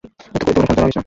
এতে কোনো সন্দেহ রাখিস না।